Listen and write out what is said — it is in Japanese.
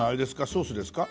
ソースですか？